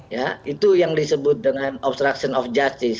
ya itu yang disebut dengan obstruction of justice